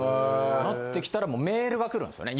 なってきたらメールが来るんですよね。